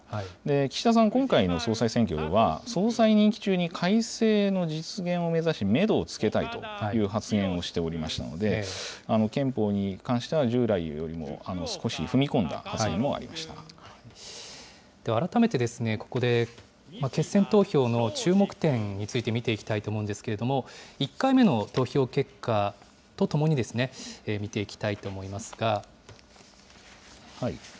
岸田さん、今回の総裁選挙では、総裁任期中に改正の実現を目指すメドをつけたいという発言をしておりましたので、憲法に関しては、従来よりも少し踏み込んだ発言もでは改めてここで、決選投票の注目点について見ていきたいと思うんですけれども、１回目の投票結果とともに、見ていきたいと思いますが。